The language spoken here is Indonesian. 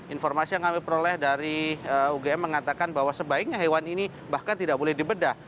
informasi yang kami peroleh dari ugm mengatakan bahwa sebaiknya hewan ini bahkan tidak boleh dibedah